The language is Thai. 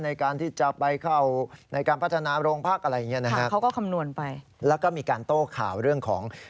ในการที่จะเข้าไปในการพัฒนาโรงพรรคอ่ะและก็มีการโต้ข่าวเรื่องของ